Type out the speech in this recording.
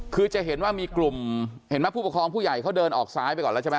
คือจะเห็นว่ามีกลุ่มเห็นไหมผู้ปกครองผู้ใหญ่เขาเดินออกซ้ายไปก่อนแล้วใช่ไหม